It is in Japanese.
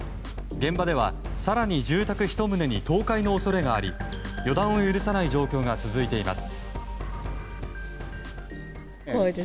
現場では、更に住宅１棟に倒壊の恐れがあり予断を許さない状況が続いています。